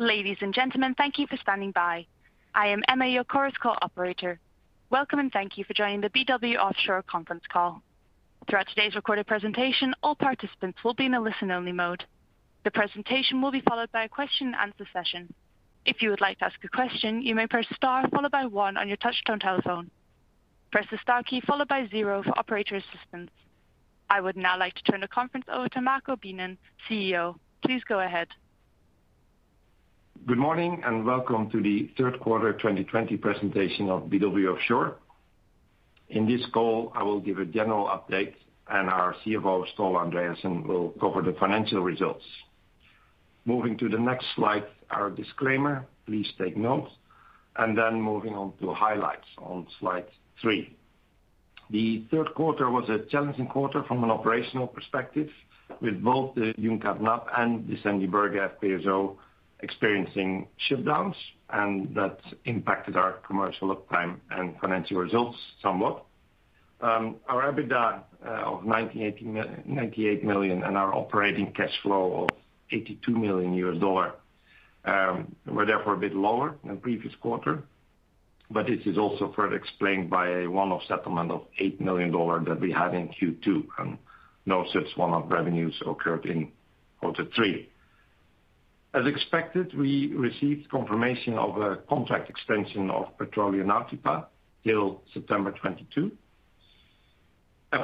Ladies and gentlemen, thank you for standing by. I am Emma, your Chorus Call operator. Welcome, and thank you for joining the BW Offshore conference call. Throughout today's recorded presentation, all participants will be in a listen-only mode. The presentation will be followed by a question and answer session. If you would like to ask a question, you may press star followed by one on your touch-tone telephone. Press the star key followed by zero for operator assistance. I would now like to turn the conference over to Marco Beenen, CEO. Please go ahead. Good morning, and welcome to the Q3 2020 presentation of BW Offshore. In this call, I will give a general update, and our CFO, Ståle Andreassen, will cover the financial results. Moving to the next slide, our disclaimer. Please take note. Moving on to highlights on slide three. The Q3 was a challenging quarter from an operational perspective with both the Yùum K Náab and the Sendje Berge FPSO experiencing shutdowns, and that impacted our commercial uptime and financial results somewhat. Our EBITDA of 98 million and our operating cash flow of $82 million were therefore a bit lower than previous quarter. This is also further explained by a one-off settlement of $8 million that we had in Q2, and no such one-off revenues occurred in quarter three. As expected, we received confirmation of a contract extension of Petróleo Nautipa till September 2022.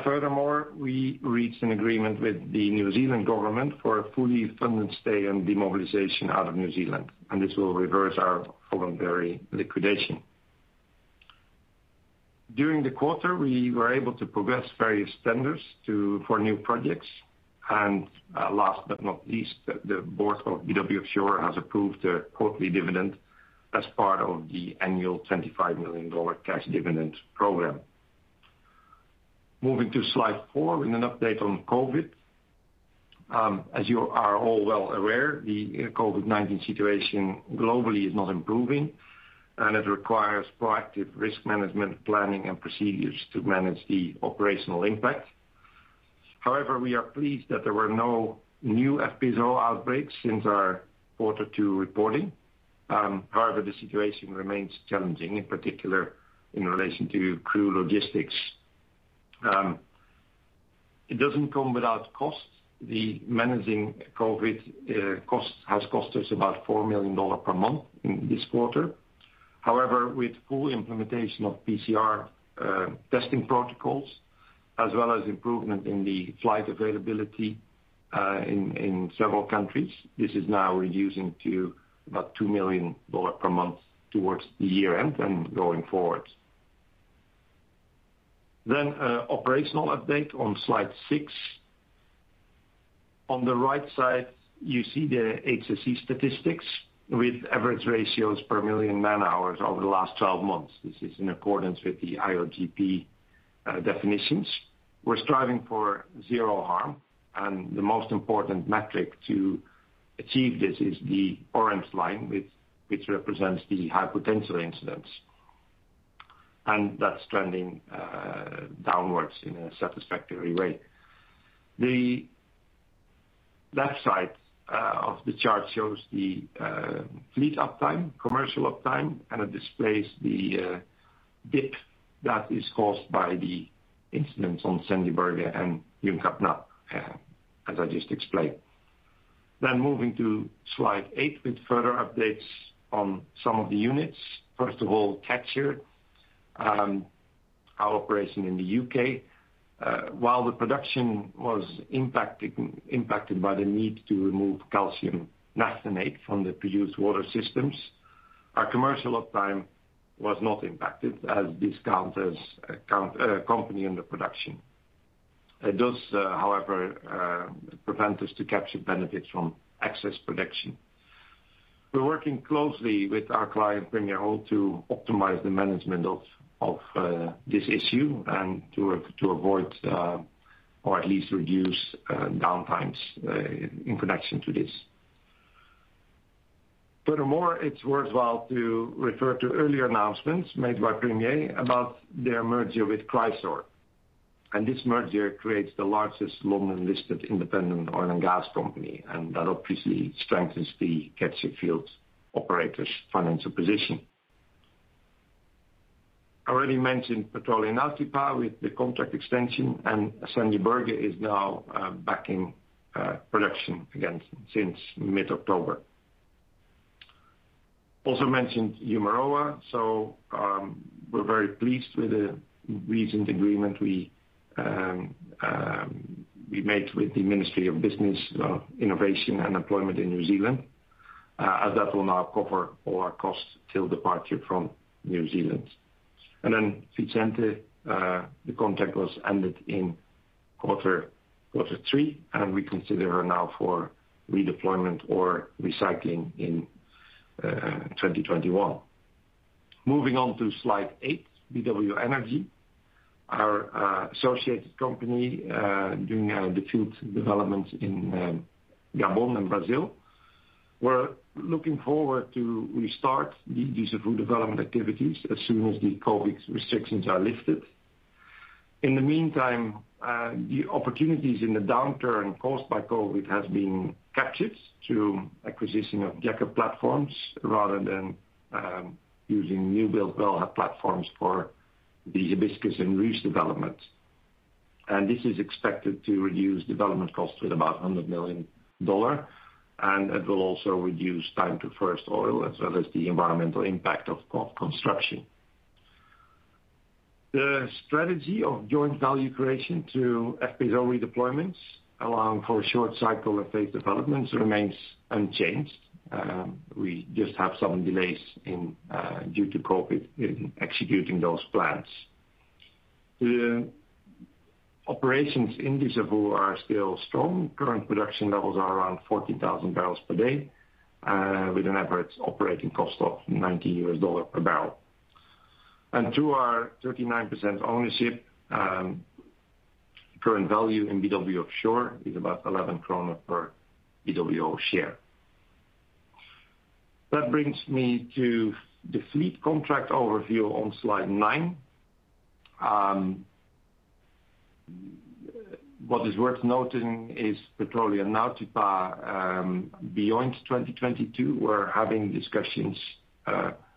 Furthermore, we reached an agreement with the New Zealand government for a fully funded stay and demobilization out of New Zealand, and this will reverse our voluntary liquidation. During the quarter, we were able to progress various tenders for new projects. Last but not least, the board of BW Offshore has approved a quarterly dividend as part of the annual $25 million cash dividend program. Moving to slide four with an update on COVID. As you are all well aware, the COVID-19 situation globally is not improving, and it requires proactive risk management planning and procedures to manage the operational impact. We are pleased that there were no new FPSO outbreaks since our quarter two reporting. The situation remains challenging, in particular, in relation to crew logistics. It doesn't come without costs. The managing COVID has cost us about $4 million per month in this quarter. However, with full implementation of PCR testing protocols, as well as improvement in the flight availability in several countries, this is now reducing to about $2 million per month towards the year-end and going forward. Operational update on slide six. On the right side, you see the HSE statistics with average ratios per million man-hours over the last 12 months. This is in accordance with the IOGP definitions. We're striving for zero harm, and the most important metric to achieve this is the orange line, which represents the high potential incidents. That's trending downwards in a satisfactory way. The left side of the chart shows the fleet uptime, commercial uptime, and it displays the dip that is caused by the incidents on Sendje Berge and Yùum K Náab, as I just explained. Moving to slide eight with further updates on some of the units. First of all, Catcher, our operation in the U.K. While the production was impacted by the need to remove calcium naphthenate from the produced water systems, our commercial uptime was not impacted as this counters company under production. It does, however, prevent us to capture benefits from excess production. We're working closely with our client, Premier Oil, to optimize the management of this issue and to avoid or at least reduce downtimes in connection to this. Furthermore, it's worthwhile to refer to earlier announcements made by Premier about their merger with Chrysaor. This merger creates the largest London-listed independent oil and gas company, and that obviously strengthens the Catcher field operator's financial position. I already mentioned Petróleo Nautipa with the contract extension, and Sendje Berge is now back in production again since mid-October. Also mentioned Umuroa. We're very pleased with the recent agreement we made with the Ministry of Business, Innovation and Employment in New Zealand, as that will now cover all our costs till departure from New Zealand. Then Vicente, the contract was ended in Q3, and we consider her now for redeployment or recycling in 2021. Moving on to slide eight, BW Energy, our associated company doing the field development in Gabon and Brazil. We're looking forward to restart the Dussafu development activities as soon as the COVID restrictions are lifted. In the meantime, the opportunities in the downturn caused by COVID has been captured to acquisition of Jack-up platforms rather than using newly built wellhead platforms for the Hibiscus and Ruche developments. This is expected to reduce development costs with about $100 million, and it will also reduce time to first oil, as well as the environmental impact of construction. The strategy of joint value creation to FPSO redeployments allowing for short cycle of phase developments remains unchanged. We just have some delays due to COVID in executing those plans. The operations in Dussafu are still strong. Current production levels are around 40,000 bpd, with an average operating cost of $90 per barrel. Through our 39% ownership, current value in BW Offshore is about 11 kroner per BWO share. That brings me to the fleet contract overview on slide nine. What is worth noting is Petróleo Nautipa beyond 2022, we're having discussions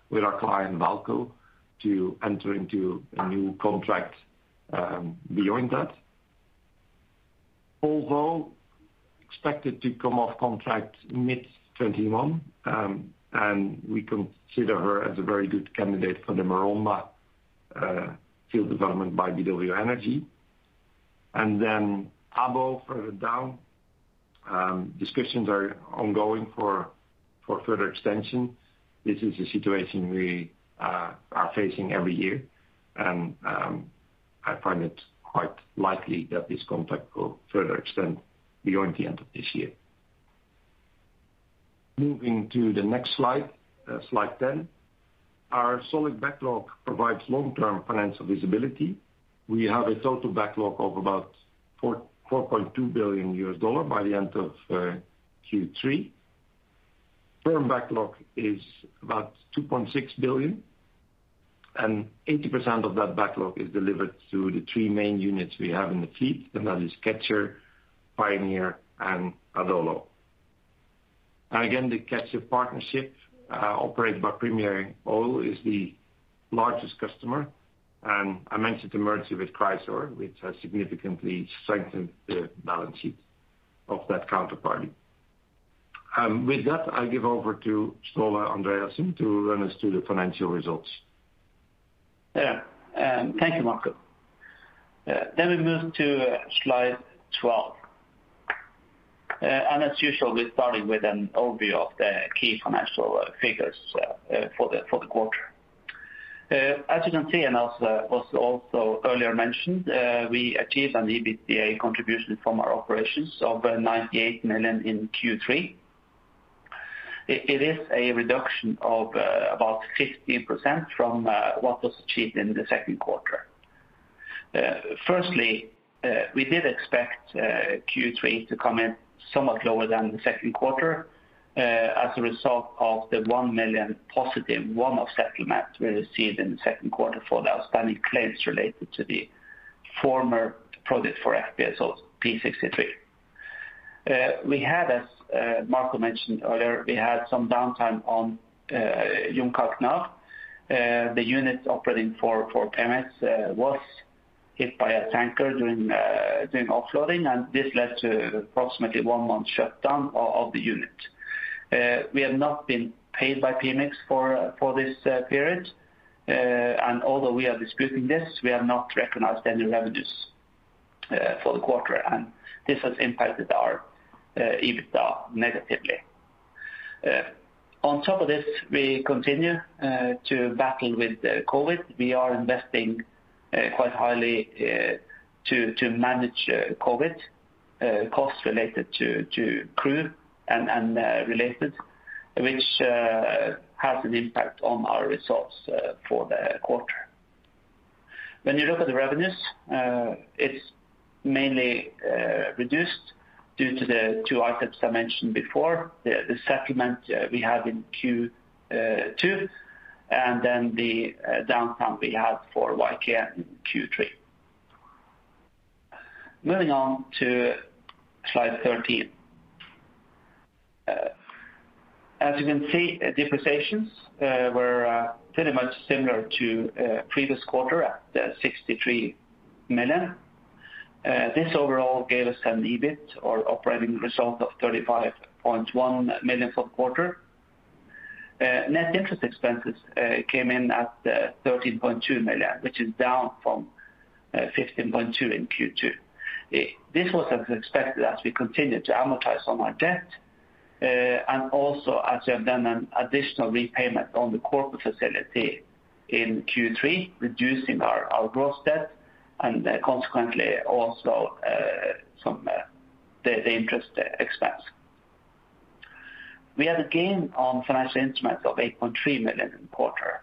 with our client, VAALCO, to enter into a new contract beyond that. Although expected to come off contract mid-2021, we consider her as a very good candidate for the Maromba field development by BW Energy. Abo further down, discussions are ongoing for further extension. This is a situation we are facing every year, and I find it quite likely that this contract will further extend beyond the end of this year. Moving to the next slide 10. Our solid backlog provides long-term financial visibility. We have a total backlog of about $4.2 billion by the end of Q3. Firm backlog is about $2.6 billion, and 80% of that backlog is delivered through the three main units we have in the fleet, and that is Catcher, Pioneer, and Adolo. Again, the Catcher partnership, operated by Premier Oil, is the largest customer. I mentioned the merger with Chrysaor, which has significantly strengthened the balance sheet of that counterparty. With that, I give over to Ståle Andreassen to run us through the financial results. Yeah. Thank you, Marco. We move to slide 12. As usual, we're starting with an overview of the key financial figures for the quarter. As you can see, and also earlier mentioned, we achieved an EBITDA contribution from our operations of $98 million in Q3. It is a reduction of about 15% from what was achieved in the Q2. Firstly, we did expect Q3 to come in somewhat lower than the Q2 as a result of the $1 million+, one-off settlement we received in the Q2 for the outstanding claims related to the former project for FPSO, P-63. We had, as Marco mentioned earlier, we had some downtime on Yùum K Náab now. The unit operating for Pemex was hit by a tanker during offloading, and this led to approximately one-month shutdown of the unit. We have not been paid by Pemex for this period. Although we are disputing this, we have not recognized any revenues for the quarter, and this has impacted our EBITDA negatively. On top of this, we continue to battle with COVID. We are investing quite highly to manage COVID costs related to crew and related, which has an impact on our results for the quarter. When you look at the revenues, it's mainly reduced due to the two items I mentioned before, the settlement we have in Q2, and then the downtime we had for Yùum K Náab in Q3. Moving on to slide 13. As you can see, depreciations were pretty much similar to previous quarter at $63 million. This overall gave us an EBIT or operating result of $35.1 million for the quarter. Net interest expenses came in at $13.2 million, which is down from $15.2 in Q2. This was as expected as we continued to amortize on our debt. Also as we have done an additional repayment on the corporate facility in Q3, reducing our gross debt and consequently also some the interest expense. We had a gain on financial instruments of $8.3 million in the quarter.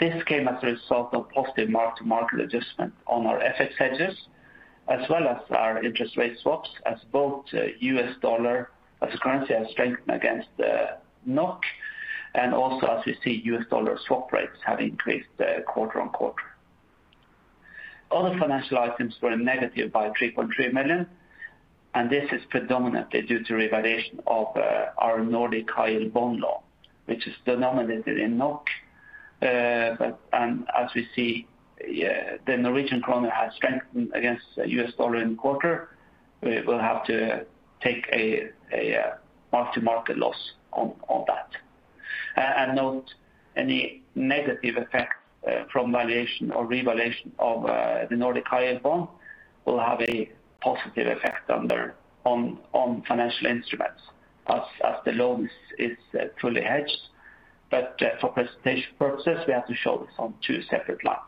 This came as a result of positive mark-to-market adjustment on our FX hedges. As well as our interest rate swaps as both U.S. dollar as a currency has strengthened against the NOK. Also as we see U.S. dollar swap rates have increased quarter-on-quarter. Other financial items were a negative by 3.3 million, this is predominantly due to revaluation of our Nordic High Yield bond loan, which is denominated in NOK. As we see, the Norwegian kroner has strengthened against U.S. dollar in quarter. We will have to take a mark-to-market loss on that. Note any negative effect from valuation or revaluation of the Nordic High Yield bond will have a positive effect on financial instruments as the loan is fully hedged. For presentation purposes, we have to show this on two separate lines.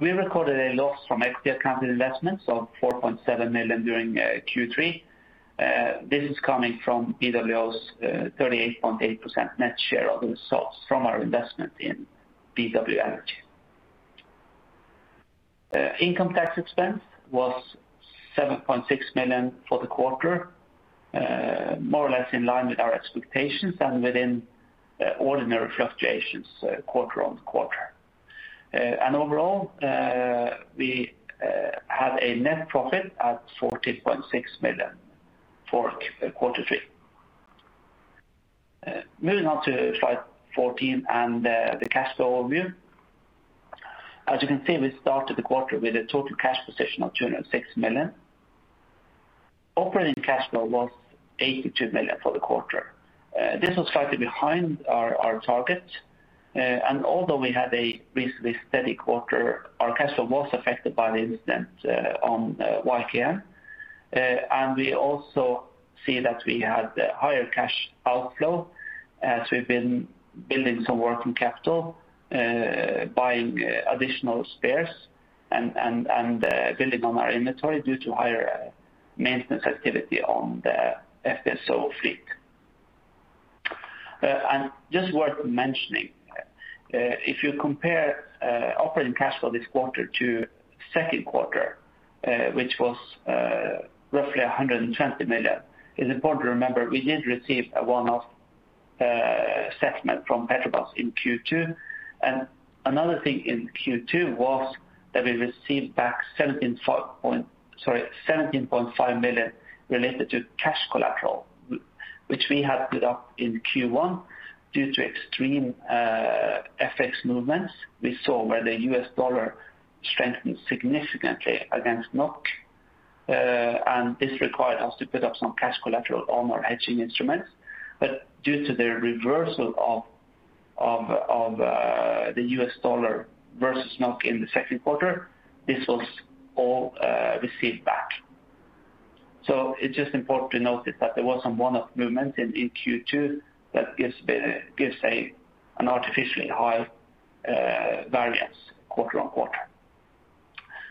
We recorded a loss from equity account investments of 4.7 million during Q3. This is coming from BW's 38.8% net share of the results from our investment in BW Energy. Income tax expense was 7.6 million for the quarter, more or less in line with our expectations and within ordinary fluctuations quarter-on-quarter. Overall, we had a net profit at 14.6 million for Q3. Moving on to slide 14 and the cash flow review. As you can see, we started the quarter with a total cash position of 206 million. Operating cash flow was $82 million for the quarter. This was slightly behind our target. Although we had a reasonably steady quarter, our cash flow was affected by the incident on Yùum K Náab. We also see that we had higher cash outflow as we have been building some working capital, buying additional spares and building on our inventory due to higher maintenance activity on the FSO fleet. Just worth mentioning, if you compare operating cash flow this quarter to Q2, which was roughly $120 million, it is important to remember we did receive a one-off settlement from Petrobras in Q2. Another thing in Q2 was that we received back $17.5 million related to cash collateral, which we had put up in Q1 due to extreme FX movements we saw where the US dollar strengthened significantly against NOK. This required us to put up some cash collateral on our hedging instruments. Due to the reversal of the U.S. dollar versus NOK in the Q2, this was all received back. It's just important to notice that there was some one-off movement in Q2 that gives an artificially high variance quarter-on-quarter.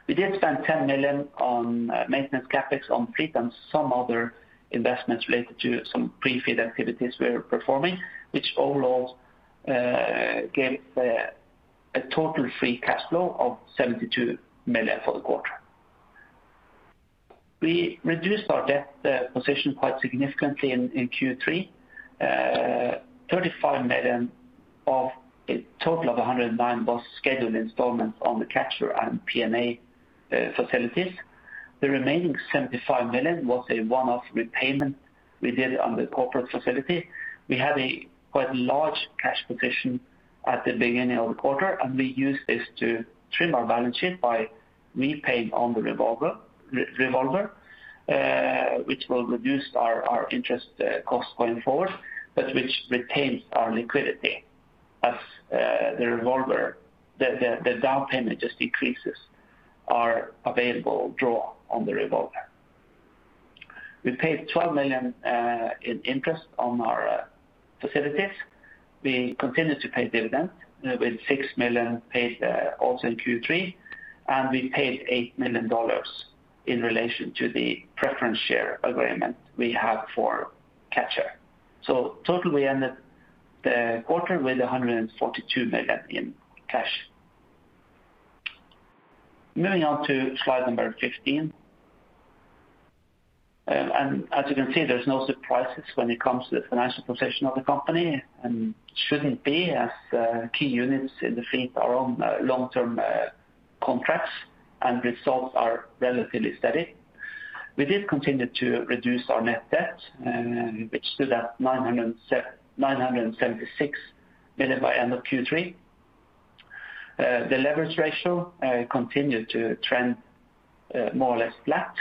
We did spend 10 million on maintenance CapEx on fleet and some other investments related to some pre-fleet activities we were performing, which overall gave a total free cash flow of 72 million for the quarter. We reduced our debt position quite significantly in Q3. 35 million of a total of 109 million was scheduled installments on the Catcher and PMA facilities. The remaining 75 million was a one-off repayment we did on the corporate facility. We had a quite large cash position at the beginning of the quarter, and we used this to trim our balance sheet by repaying on the revolver which will reduce our interest cost going forward, but which retains our liquidity as the revolver, the down payment just decreases our available draw on the revolver. We paid 12 million in interest on our facilities. We continue to pay dividends with 6 million paid also in Q3, and we paid $8 million in relation to the preference share agreement we have for Catcher. Total, we ended the quarter with 142 million in cash. Moving on to slide number 15. As you can see, there's no surprises when it comes to the financial position of the company and shouldn't be, as key units in the fleet are on long-term contracts and results are relatively steady. We did continue to reduce our net debt, which stood at 976 million by end of Q3. The leverage ratio continued to trend more or less flat.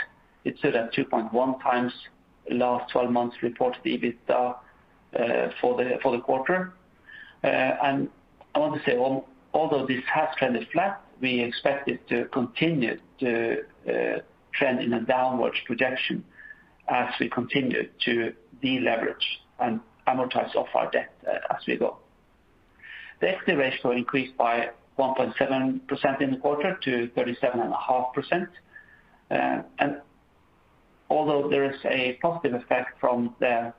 It stood at 2.1x last 12 months reported EBITDA for the quarter. I want to say although this has trended flat, we expect it to continue to trend in a downwards projection as we continue to deleverage and amortize off our debt as we go. The equity ratio increased by 1.7% in the quarter to 37.5%. Although there is a positive effect from the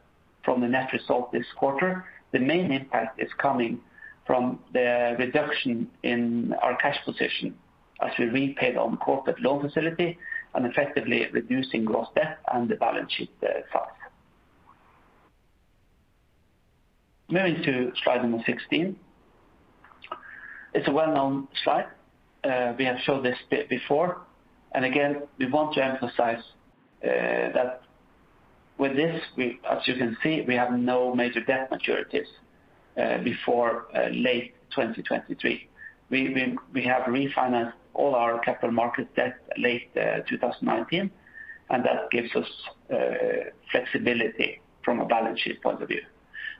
net result this quarter, the main impact is coming from the reduction in our cash position as we repaid on corporate loan facility and effectively reducing gross debt and the balance sheet size. Moving to slide number 16. It's a well-known slide. We have showed this before, and again, we want to emphasize that with this, as you can see, we have no major debt maturities before late 2023. We have refinanced all our capital market debt late 2019, and that gives us flexibility from a balance sheet point of view.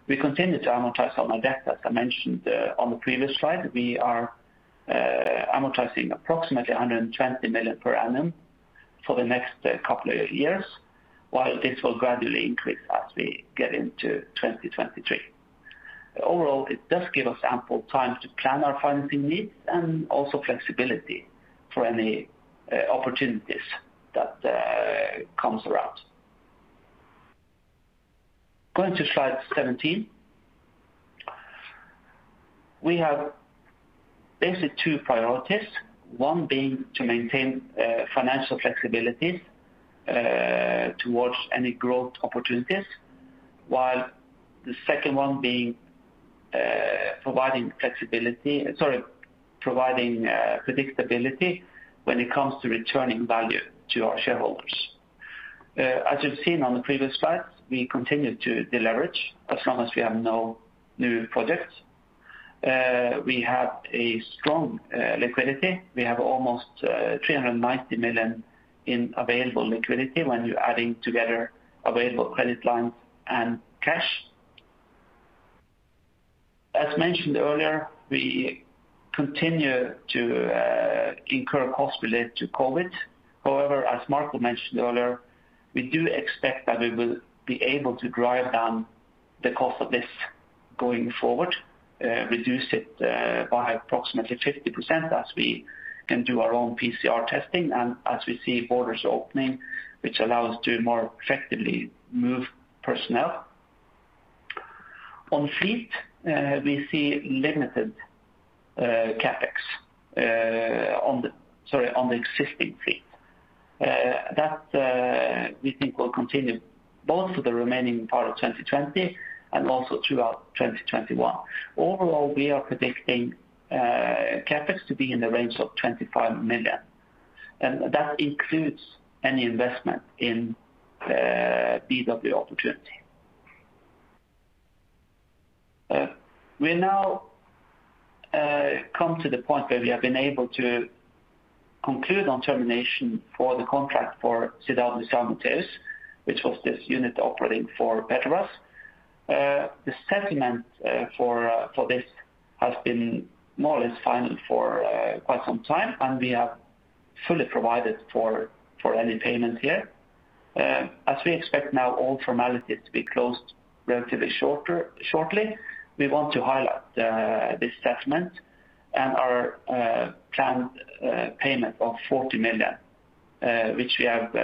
We continue to amortize on our debt. As I mentioned on the previous slide, we are amortizing approximately 120 million per annum for the next couple of years, while this will gradually increase as we get into 2023. Overall, it does give us ample time to plan our financing needs and also flexibility for any opportunities that comes around. Going to slide 17. We have basically two priorities, one being to maintain financial flexibility towards any growth opportunities, while the second one being providing predictability when it comes to returning value to our shareholders. As you've seen on the previous slides, we continue to deleverage as long as we have no new projects. We have a strong liquidity. We have almost $390 million in available liquidity when you're adding together available credit lines and cash. As Marco mentioned earlier, we do expect that we will be able to drive down the cost of this going forward, reduce it by approximately 50% as we can do our own PCR testing and as we see borders opening, Which allow us to more effectively move personnel. On fleet, we see limited CapEx on the existing fleet. That, we think, will continue both for the remaining part of 2020 and also throughout 2021. Overall, we are predicting CapEx to be in the range of $25 million, and that includes any investment in the BW Opportunity. We now come to the point where we have been able to conclude on termination for the contract for Sedco 207, which was this unit operating for Petrobras. The settlement for this has been more or less final for quite some time, and we have fully provided for any payment here. As we expect now all formalities to be closed relatively shortly, we want to highlight this settlement and our planned payment of $40 million, which we have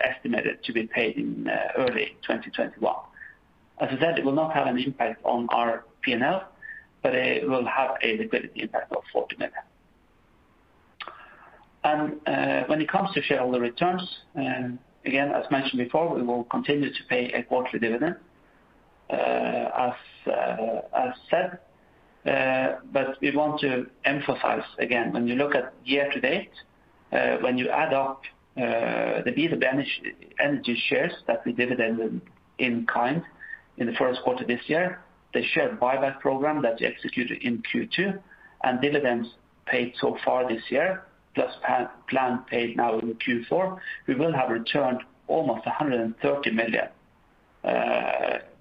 estimated to be paid in early 2021. As I said, it will not have an impact on our P&L, but it will have a liquidity impact of $40 million. When it comes to shareholder returns, again, as mentioned before, we will continue to pay a quarterly dividend as said. We want to emphasize again, when you look at year to date, when you add up the BW Energy shares that we dividend in kind in the Q1 this year, the share buyback program that we executed in Q2, and dividends paid so far this year, plus planned paid now in Q4, We will have returned almost $130 million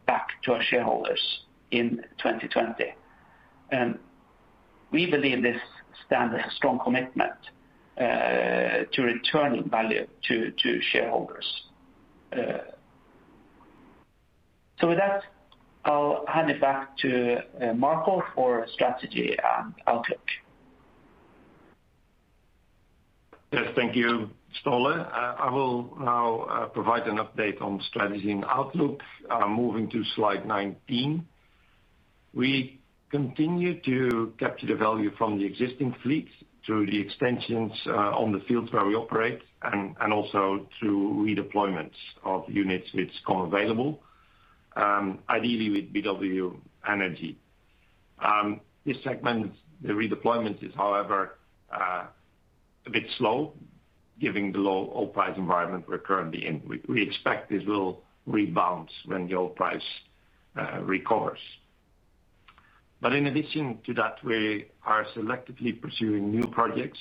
back to our shareholders in 2020. We believe this stands a strong commitment to returning value to shareholders. With that, I'll hand it back to Marco for strategy and outlook. Yes, thank you, Ståle. I will now provide an update on strategy and outlook. Moving to slide 19. We continue to capture the value from the existing fleet through the extensions on the fields where we operate and also through redeployments of units which come available, ideally with BW Energy. This segment, the redeployment is, however, a bit slow given the low oil price environment we're currently in. We expect this will rebound when the oil price recovers. In addition to that, we are selectively pursuing new projects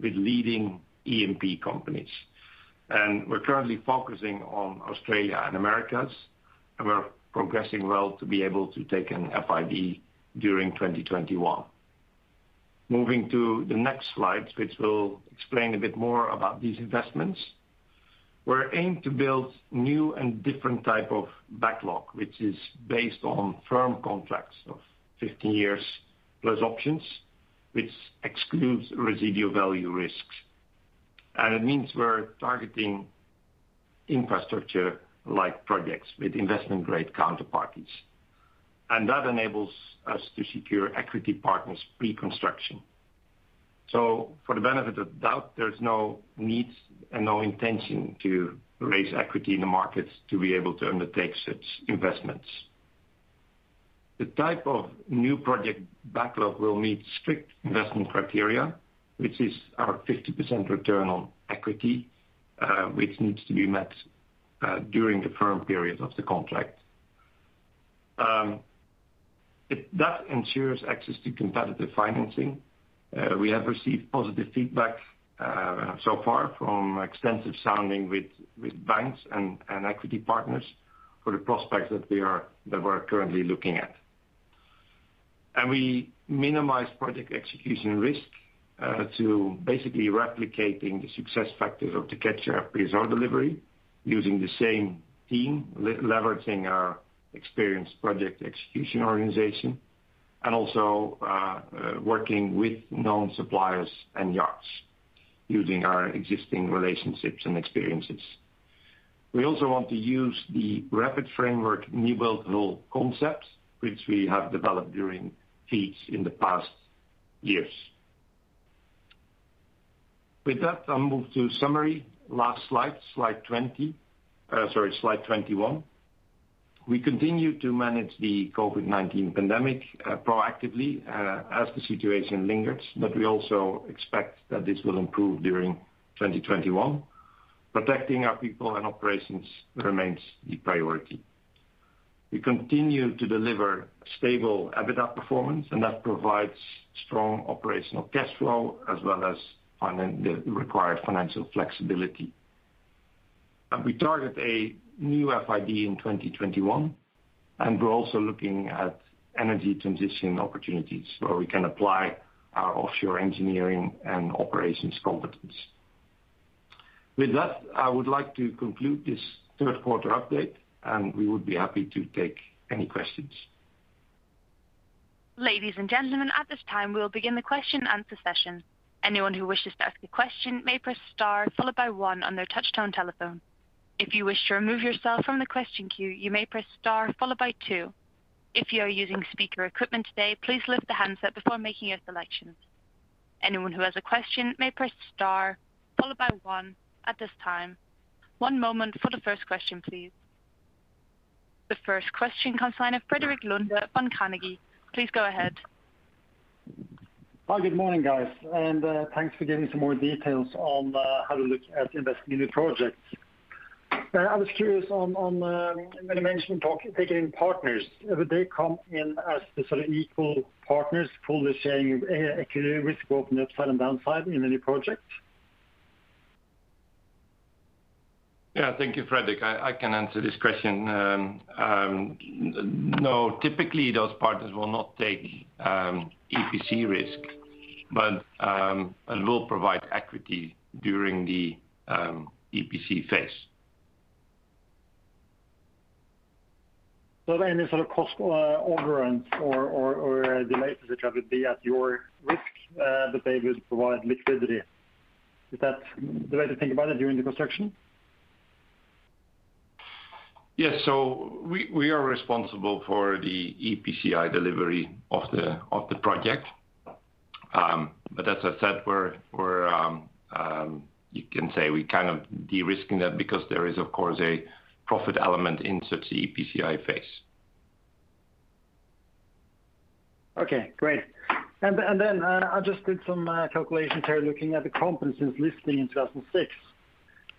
with leading E&P companies. We're currently focusing on Australia and Americas, and we're progressing well to be able to take an FID during 2021. Moving to the next slides, which will explain a bit more about these investments. We aim to build new and different type of backlog, which is based on firm contracts of 15 years plus options, which excludes residual value risks. It means we're targeting infrastructure like projects with investment-grade counterparties. That enables us to secure equity partners pre-construction. For the benefit of the doubt, there's no need and no intention to raise equity in the markets to be able to undertake such investments. The type of new project backlog will meet strict investment criteria, which is our 50% return on equity, which needs to be met during the firm period of the contract. That ensures access to competitive financing. We have received positive feedback so far from extensive sounding with banks and equity partners for the prospects that we're currently looking at. We minimize project execution risk to basically replicating the success factors of the Catcher FPSO delivery using the same team, leveraging our experienced project execution organization, also working with known suppliers and yards using our existing relationships and experiences. We also want to use the Rapid Framework newbuild FPSO concepts, which we have developed during feats in the past years. With that, I'll move to summary. Last slide 21. We continue to manage the COVID-19 pandemic proactively as the situation lingers, but we also expect that this will improve during 2021. Protecting our people and operations remains the priority. We continue to deliver stable EBITDA performance, and that provides strong operational cash flow as well as the required financial flexibility. We target a new FID in 2021, and we're also looking at energy transition opportunities where we can apply our offshore engineering and operations competence. With that, I would like to conclude this Q3 update, and we would be happy to take any questions. The first question comes line of Frederik Lunde from Carnegie. Please go ahead. Hi, good morning, guys. Thanks for giving some more details on how to look at investing in new projects. I was curious on when you mentioned taking partners, would they come in as the sort of equal partners fully sharing equity risk both on upside and downside in any project? Yeah, thank you, Frederik. I can answer this question. No, typically, those partners will not take EPC risk, but will provide equity during the EPC phase. Any sort of cost overruns or delays, which would be at your risk, but they will provide liquidity. Is that the way to think about it during the construction? Yes, we are responsible for the EPCI delivery of the project. As I said, you can say we kind of de-risking that because there is, of course, a profit element in such EPCI phase. Okay, great. I just did some calculations here looking at the company since listing in 2006.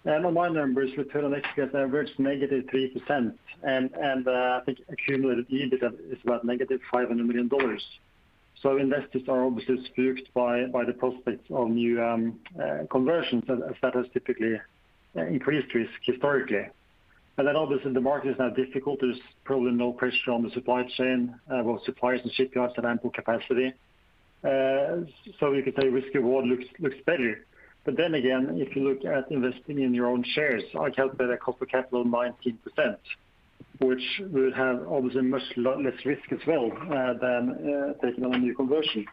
On my numbers, return on equity has averaged -3%, and I think accumulated EBITDA is about -$500 million. Investors are obviously spooked by the prospects of new conversions as that has typically increased risk historically. Obviously the market is now difficult. There's probably more pressure on the supply chain, both suppliers and shipyards have ample capacity. You could say risk reward looks better. Again, if you look at investing in your own shares, I calculate a cost of capital 19%, which would have obviously much less risk as well than taking on a new conversion.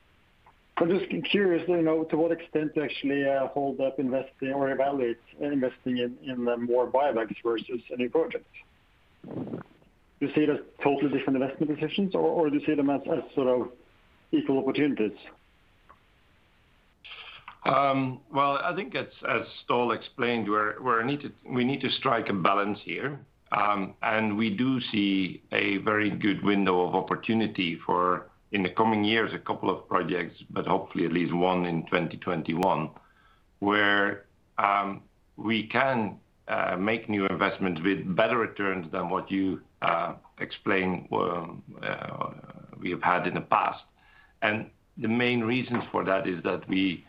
I'm just curious to know to what extent you actually hold that investing or evaluate investing in the more buybacks versus a new project. Do you see it as totally different investment decisions or do you see them as sort of equal opportunities? Well, I think as Ståle explained, we need to strike a balance here. We do see a very good window of opportunity for, in the coming years, a couple of projects, but hopefully at least one in 2021, where we can make new investments with better returns than what you explained we have had in the past. The main reasons for that is that we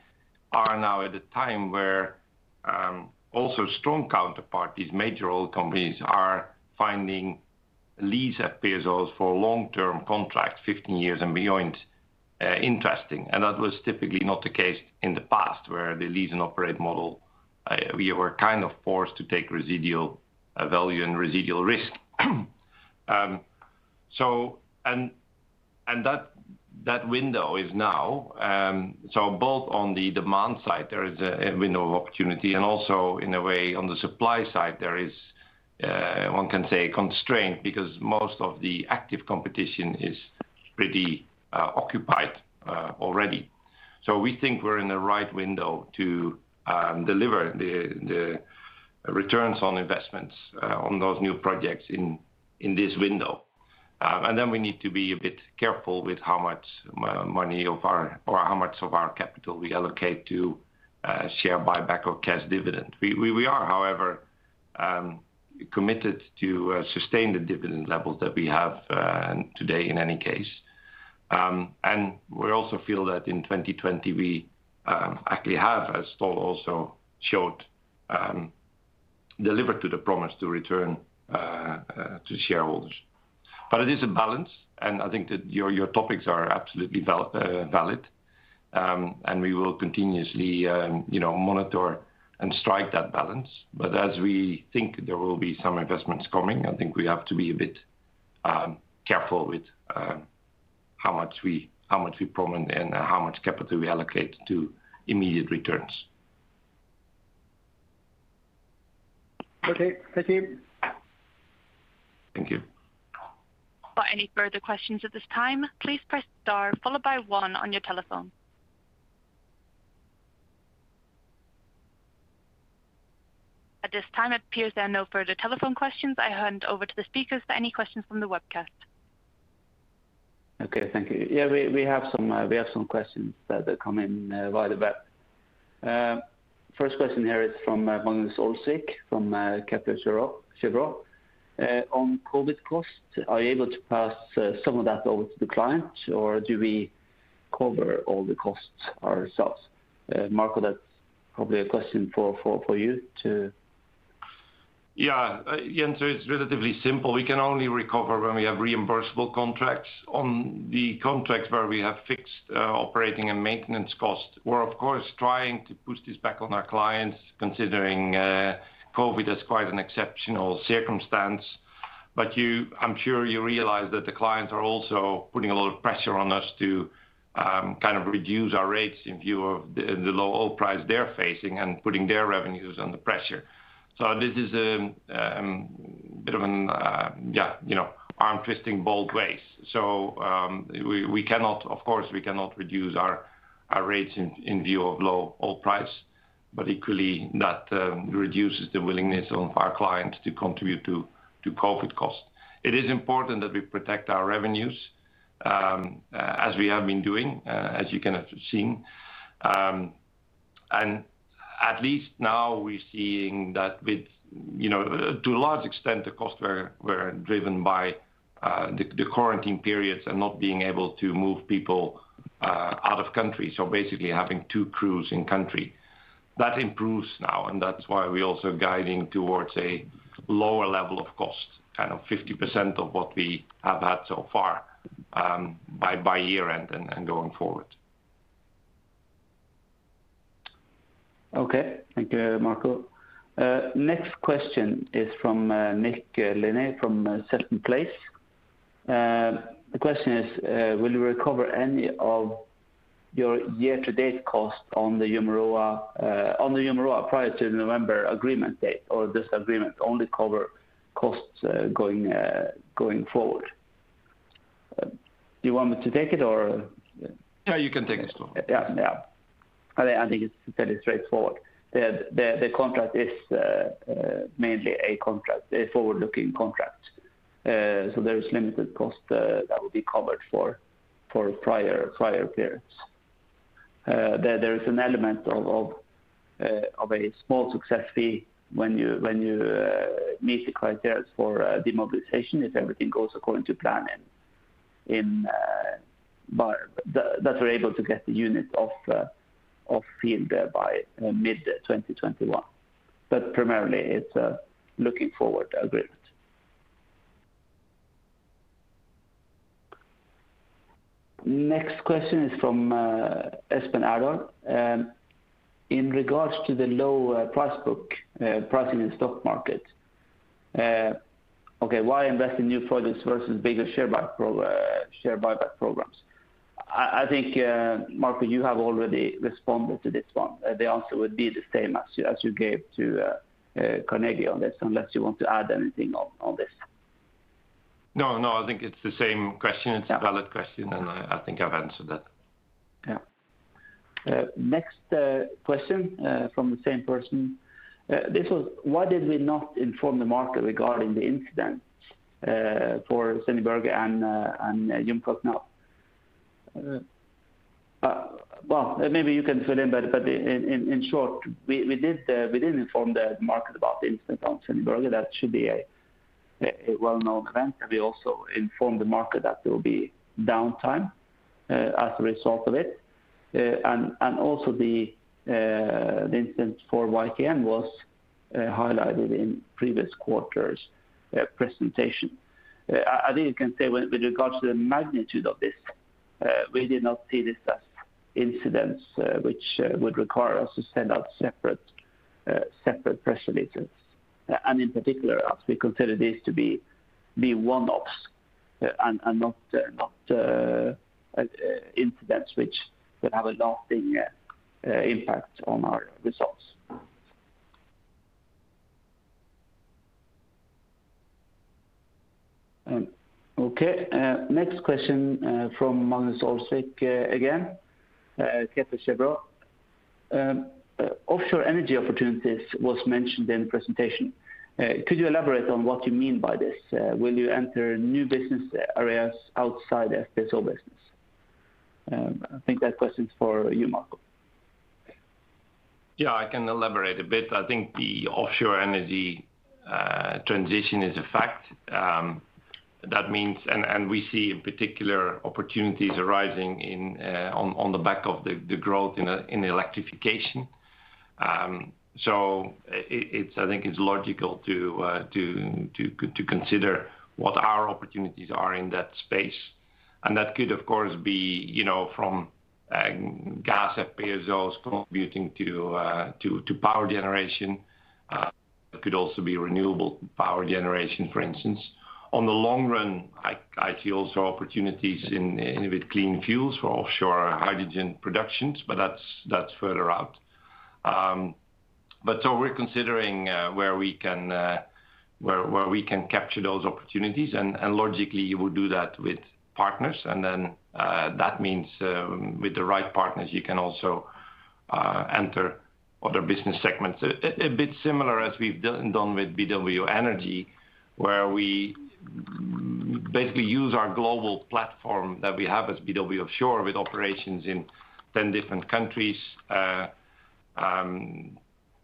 are now at a time where also strong counterparties, major oil companies are finding lease at FPSOs for long-term contracts, 15 years and beyond, interesting. That was typically not the case in the past, where the lease and operate model. We were kind of forced to take residual value and residual risk. That window is now. Both on the demand side, there is a window of opportunity, and also in a way, on the supply side, there is one can say constraint because most of the active competition is pretty occupied already. We think we are in the right window to deliver the returns on investments on those new projects in this window. Then we need to be a bit careful with how much money or how much of our capital we allocate to share buyback or cash dividend. We are, however, committed to sustain the dividend levels that we have today in any case. We also feel that in 2020, we actually have, as Ståle also showed, delivered to the promise to return to shareholders. It is a balance, and I think that your topics are absolutely valid. We will continuously monitor and strike that balance. As we think there will be some investments coming, I think we have to be a bit careful with how much we promise and how much capital we allocate to immediate returns. Okay. Thank you. Thank you. For any further questions at this time, please press star followed by one on your telephone. At this time, it appears there are no further telephone questions. I hand over to the speakers for any questions from the webcast. Okay, thank you. We have some questions that come in via the web. First question here is from Magnus Olsvik from Kepler Cheuvreux. On COVID costs, are you able to pass some of that over to the client, or do we cover all the costs ourselves? Marco, that's probably a question for you to Yeah. It's relatively simple. We can only recover when we have reimbursable contracts. On the contracts where we have fixed operating and maintenance costs, we're of course trying to push this back on our clients, considering COVID as quite an exceptional circumstance. I'm sure you realize that the clients are also putting a lot of pressure on us to kind of reduce our rates in view of the low oil price they're facing and putting their revenues under pressure. This is a bit of an arm twisting both ways. We cannot, of course, reduce our rates in view of low oil price, equally, that reduces the willingness of our clients to contribute to COVID cost. It is important that we protect our revenues, as we have been doing, as you can have seen. At least now we're seeing that with, to a large extent, the costs were driven by the quarantine periods and not being able to move people out of country. Basically having two crews in country. That improves now, and that's why we're also guiding towards a lower level of cost, kind of 50% of what we have had so far by year-end and going forward. Okay. Thank you, Marco. Next question is from Nick Serrano from Fearnley Securities. The question is, will you recover any of your year-to-date costs on the Umuroa prior to the November agreement date, or this agreement only cover costs going forward? Do you want me to take it or Yeah, you can take it, Ståle. Yeah. I think it's fairly straightforward. The contract is mainly a forward-looking contract. There is limited cost that will be covered for prior periods. There is an element of a small success fee when you meet the criteria for demobilization, if everything goes according to plan and that we're able to get the unit off field by mid-2021. Primarily it's a looking forward agreement. Next question is from Espen Aakre. In regards to the low price book, pricing in stock market. Okay, why invest in new projects versus bigger share buyback programs? I think, Marco, you have already responded to this one. The answer would be the same as you gave to Carnegie on this, unless you want to add anything on this. No, I think it's the same question. Yeah. It's a valid question, and I think I've answered that. Yeah. Next question from the same person. Why did we not inform the market regarding the incident for Sendje Berge and Yùum K Náab now? Maybe you can fill in short, we didn't inform the market about the incident on Sendje Berge, that should be a well-known event. We also informed the market that there will be downtime as a result of it. Also the incident for YKN was highlighted in previous quarters presentation. I think you can say with regards to the magnitude of this. We did not see this as incidents which would require us to send out separate press releases. In particular, as we consider this to be one-offs and not incidents which would have a lasting impact on our results. Next question from Magnus Olsvik again. Kepler Cheuvreux. Offshore energy opportunities was mentioned in the presentation. Could you elaborate on what you mean by this? Will you enter new business areas outside the offshore business? I think that question's for you, Marco. Yeah, I can elaborate a bit. I think the offshore energy transition is a fact. We see particular opportunities arising on the back of the growth in the electrification. I think it's logical to consider what our opportunities are in that space. That could, of course, be from gas at FPSOs contributing to power generation. It could also be renewable power generation, for instance. On the long run, I see also opportunities in clean fuels for offshore hydrogen production, but that's further out. We're considering where we can capture those opportunities, and logically, you would do that with partners. That means with the right partners, you can also enter other business segments. A bit similar as we've done with BW Energy, where we basically use our global platform that we have as BW Offshore with operations in 10 different countries.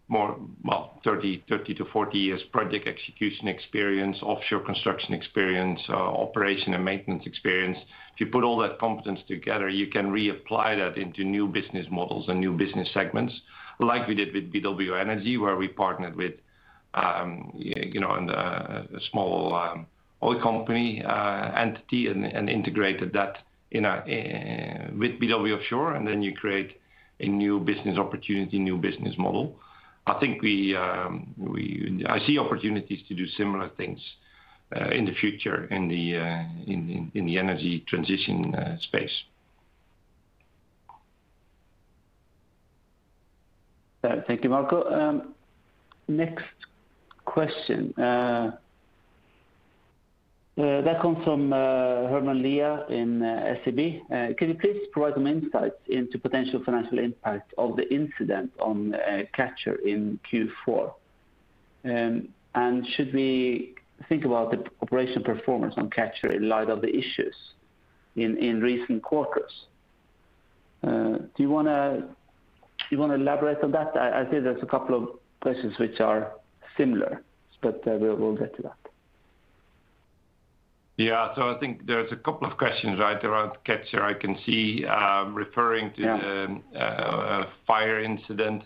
30-40 years project execution experience, offshore construction experience, operation and maintenance experience. If you put all that competence together, you can reapply that into new business models and new business segments like we did with BW Energy, Where we partnered with a small oil company entity and integrated that with BW Offshore, and then you create a new business opportunity, new business model. I see opportunities to do similar things in the future in the energy transition space. Thank you, Marco. Next question. That comes from Herman Lea in SEB. Can you please provide some insights into potential financial impact of the incident on Catcher in Q4? Should we think about the operational performance on Catcher in light of the issues in recent quarters? Do you want to elaborate on that? I see there's a couple of questions which are similar, we will get to that. Yeah. I think there's a couple of questions, right, around Catcher I can see referring to. Yeah. A fire incident.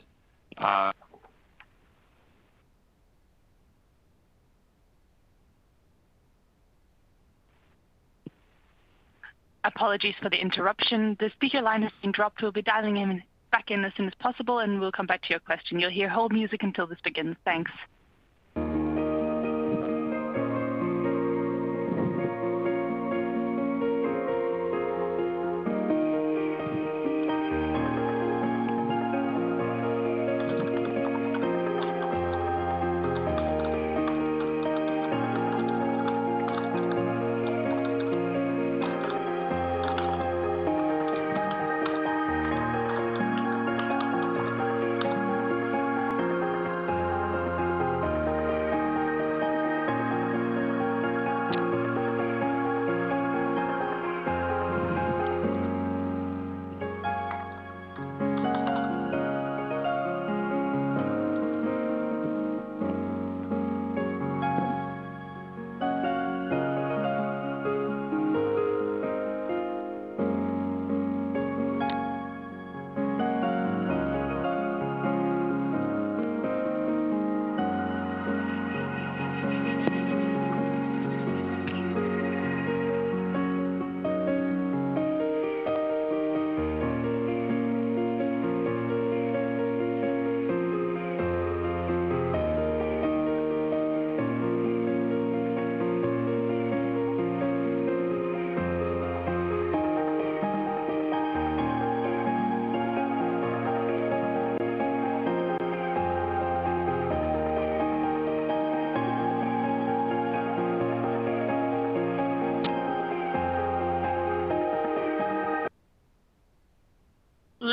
Apologies for the interruption. The speaker line has been dropped. We'll be dialing him back in as soon as possible, and we'll come back to your question. You'll hear hold music until this begins. Thanks.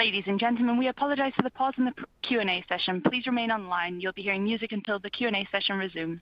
Ladies and gentlemen, we apologize for the pause in the Q&A session. Please remain online. You'll be hearing music until the Q&A session resumes.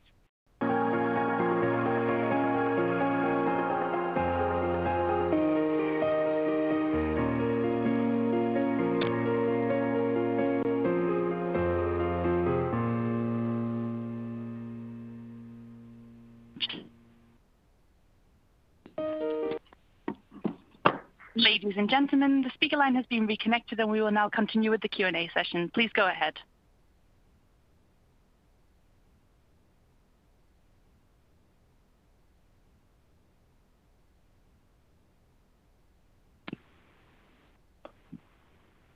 Ladies and gentlemen, the speaker line has been reconnected, and we will now continue with the Q&A session. Please go ahead.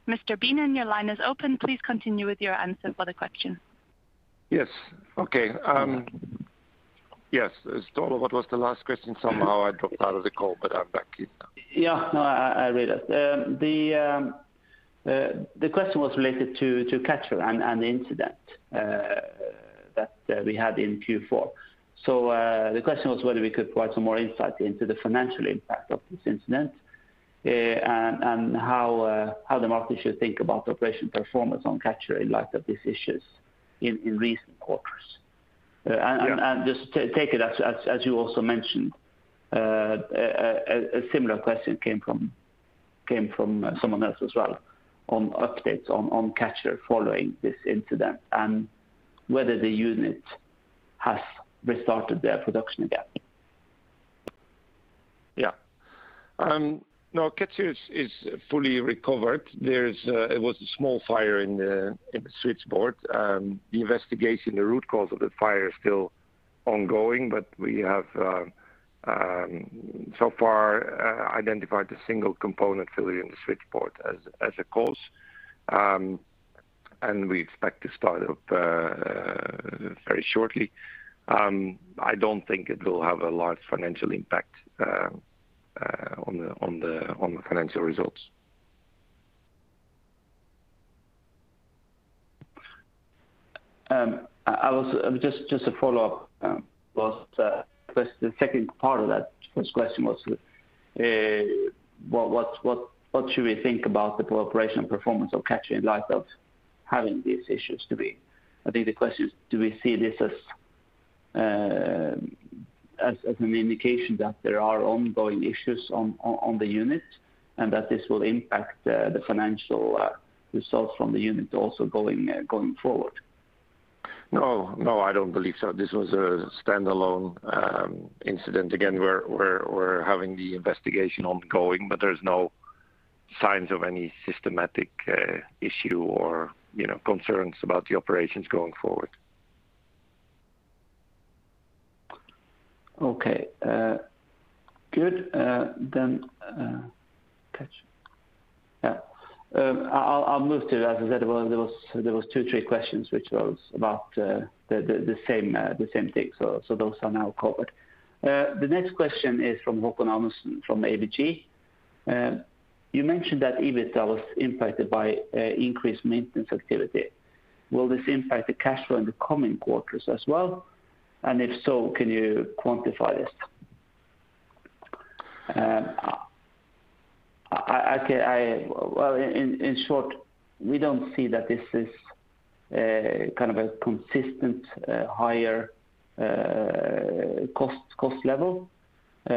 Marco Beenen, your line is open. Please continue with your answer for the question. Yes. Okay. Yes. Ståle, what was the last question? Somehow I dropped out of the call, but I'm back in now. Yeah. No, I read it. The question was related to Catcher and the incident that we had in Q4. The question was whether we could provide some more insight into the financial impact of this incident, and how the market should think about operation performance on Catcher in light of these issues in recent quarters. Yeah. Just to take it, as you also mentioned, a similar question came from someone else as well on updates on Catcher following this incident, and whether the unit has restarted their production again. Yeah. No, Catcher is fully recovered. It was a small fire in the switchboard. The investigation, the root cause of the fire is still ongoing, but we have so far identified the single component failure in the switchboard as a cause. We expect to start up very shortly. I don't think it will have a large financial impact on the financial results. Just a follow-up. The second part of that first question was, what should we think about the operation performance of Catcher in light of having these issues? I think the question is, do we see this as an indication that there are ongoing issues on the unit, and that this will impact the financial results from the unit also going forward? No, I don't believe so. This was a standalone incident. Again, we're having the investigation ongoing, but there's no signs of any systematic issue or concerns about the operations going forward. Okay. Good. Then, catch. Yeah. I'll move to, as I said, there was two, three questions, which was about the same thing. Those are now covered. The next question is from Håkon Amundsen from ABG. You mentioned that EBITDA was impacted by increased maintenance activity. Will this impact the cash flow in the coming quarters as well? If so, can you quantify this? We don't see that this is kind of a consistent higher cost level. We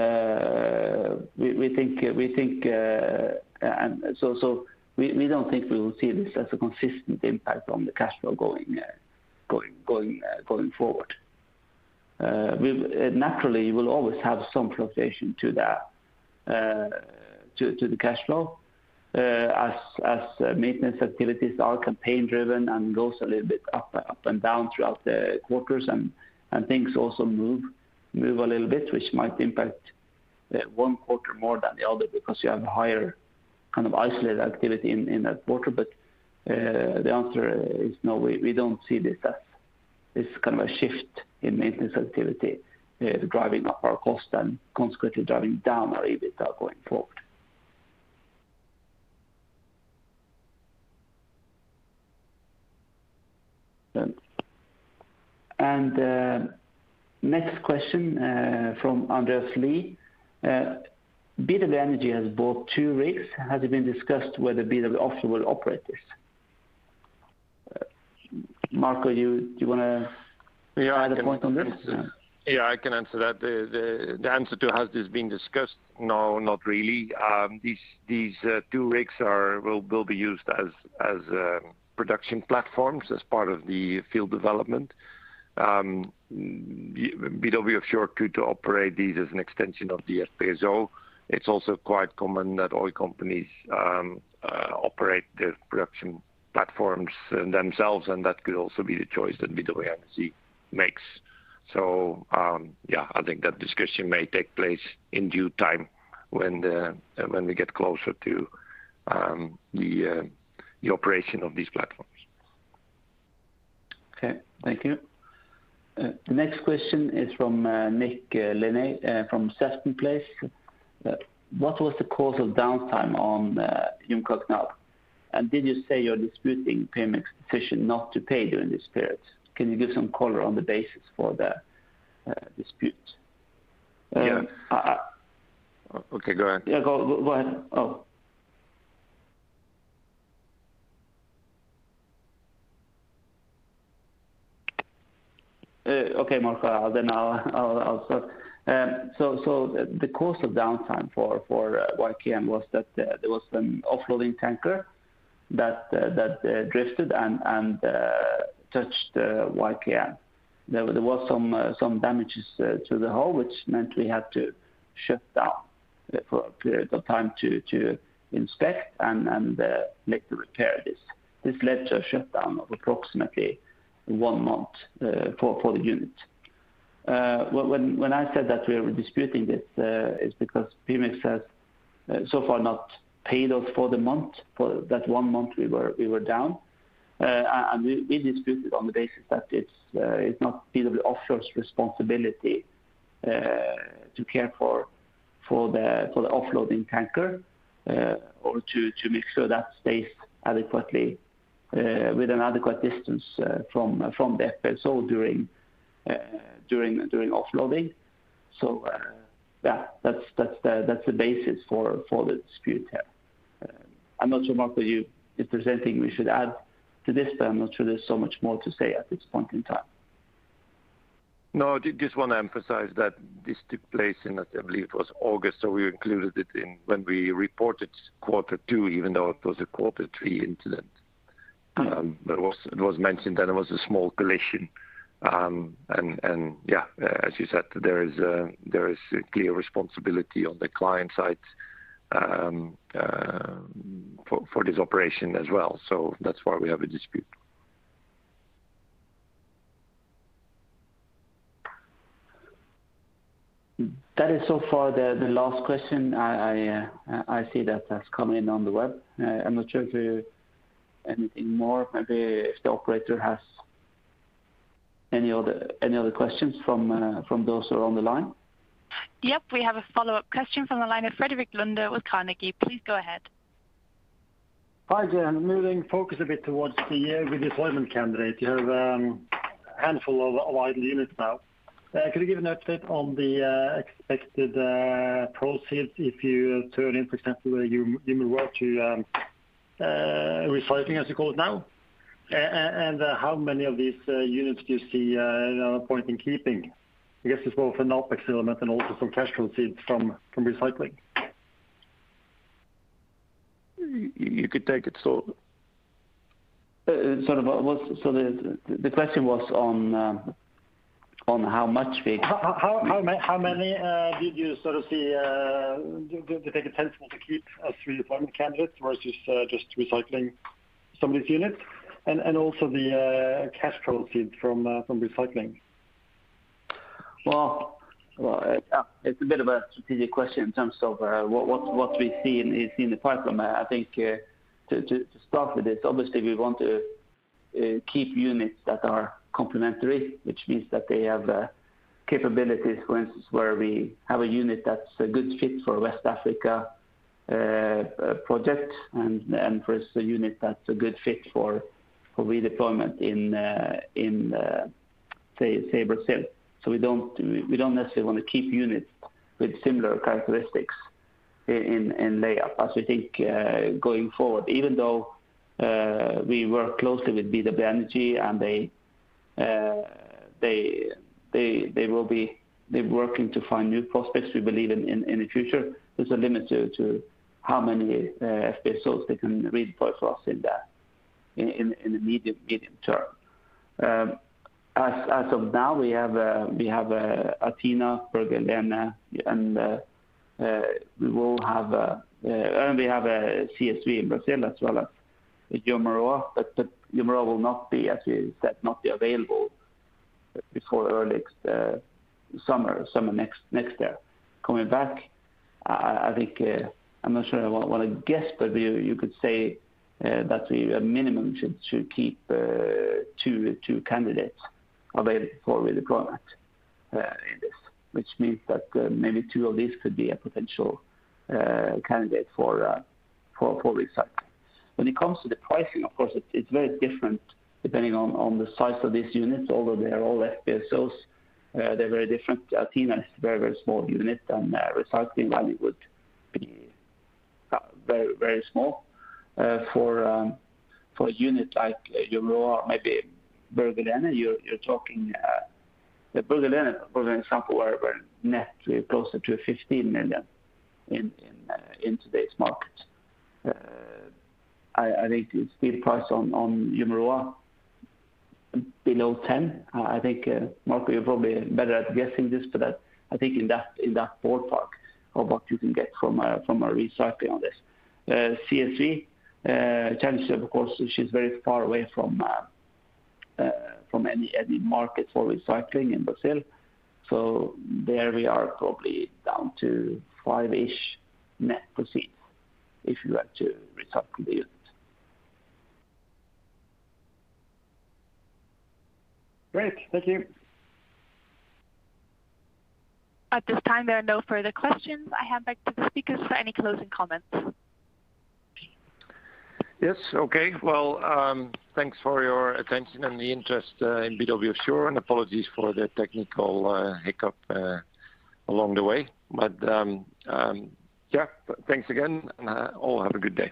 don't think we will see this as a consistent impact on the cash flow going forward. Naturally, we'll always have some fluctuation to the cash flow, as maintenance activities are campaign-driven and goes a little bit up and down throughout the quarters, and things also move a little bit, Which might impact one quarter more than the other because you have higher kind of isolated activity in that quarter. The answer is no, we don't see this as kind of a shift in maintenance activity driving up our cost and consequently driving down our EBITDA going forward. Next question from Andreas Sohmen-Pao. BW Energy has bought two rigs. Has it been discussed whether BW Offshore will operate this? Marco, do you want to add a point on this? Yeah, I can answer that. The answer to has this been discussed, no, not really. These two rigs will be used as production platforms as part of the field development. BW Offshore could operate these as an extension of the FPSO. It's also quite common that oil companies operate the production platforms themselves, and that could also be the choice that BW Energy makes. Yeah, I think that discussion may take place in due time when we get closer to the operation of these platforms. Okay. Thank you. Next question is from Nick Manna from Sesame Place. What was the cause of downtime on Yùum K Náab? Did you say you're disputing payment expectation not to pay during this period? Can you give some color on the basis for the dispute? Yeah. Okay, go ahead. Yeah, go ahead. Oh. Okay, Marco, I'll start. The cause of downtime for YKM was that there was an offloading tanker that drifted and touched YKM. There was some damages to the hull, which meant we had to shut down for a period of time to inspect and make the repair. This led to a shutdown of approximately one month for the unit. When I said that we are disputing this, it's because Pemex has so far not paid us for the month, for that one month we were down. We dispute it on the basis that it's not BW Offshore's responsibility to care for the offloading tanker or to make sure that stays with an adequate distance from the FSO during offloading. Yeah, that's the basis for the dispute here. I'm not sure, Marco, if there's anything we should add to this, but I'm not sure there's so much more to say at this point in time. No, I just want to emphasize that this took place in, I believe it was August. We included it in when we reported Q2, even though it was a Q3 incident. It was mentioned that it was a small collision. Yeah, as you said, there is a clear responsibility on the client side for this operation as well. That's why we have a dispute. That is so far the last question I see that has come in on the web. I am not sure if anything more, maybe if the operator has any other questions from those who are on the line. Yep. We have a follow-up question from the line of Frederik Lunde with Carnegie. Please go ahead. Hi, Marco. Moving focus a bit towards the year with deployment candidate. You have a handful of idle units now. Could you give an update on the expected proceeds if you turn, for example, Umuroa to recycling, as you call it now? How many of these units do you see another point in keeping? I guess it's both an OpEx element and also some cash proceeds from recycling. You could take it, Tor. Sorry, the question was on how much. How many did you see, do you think it's helpful to keep as redeployment candidates versus just recycling some of these units? Also the cash proceeds from recycling? It's a bit of a strategic question in terms of what we see in the pipeline. I think to start with this, obviously, we want to keep units that are complementary, which means that they have capabilities. For instance, where we have a unit that's a good fit for a West Africa project and versus a unit that's a good fit for redeployment in, say, Brazil. We don't necessarily want to keep units with similar characteristics in layup as we think going forward. Even though we work closely with BW Energy and they're working to find new prospects, we believe in the future, there's a limit to how many FSOs they can redeploy for us in the medium term. As of now, we have Athena, Berge Helene, and we have a CSV in Brazil as well as Umuroa. Umuroa will not be available before early summer, next year. Coming back, I'm not sure I want to guess, you could say that we minimum should keep two candidates available for redeployment in this. Which means that maybe two of these could be a potential candidate for recycle. When it comes to the pricing, of course, it's very different depending on the size of these units. Although they are all FSOs, they're very different. Athena is a very small unit, and the recycling value would be very small. For a unit like Umuroa, maybe Berge Helene, you're talking Berge Helene, for example, where we're net closer to $15 million in today's market. I think you'd see the price on Umuroa below $10 million. I think Marco, you're probably better at guessing this, I think in that ballpark of what you can get from a recycling on this. CSV, chances are, of course, she's very far away from any market for recycling in Brazil. There we are probably down to NOK five-ish net proceeds if you are to recycle the unit. Great. Thank you. At this time, there are no further questions. I hand back to the speakers for any closing comments. Yes. Okay. Well, thanks for your attention and the interest in BW Offshore. Apologies for the technical hiccup along the way. Yeah, thanks again, and all have a good day.